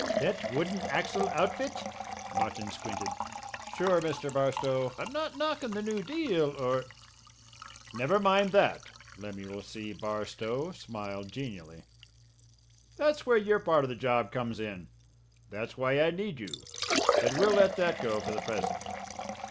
"That wooden axle outfit?" Martin squinted. "Sure, Mr. Barstow, I'm not knockin' the new deal, or " "Never mind that." Lemuel C. Barstow smiled genially. "That's where your part of the job comes in. That's why I need you. But we'll let that go for the present.